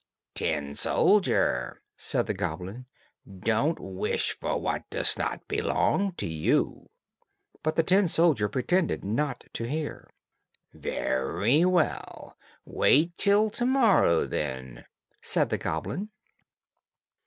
"Tin soldier," said the goblin, "don't wish for what does not belong to you." But the tin soldier pretended not to hear. "Very well; wait till to morrow, then," said the goblin.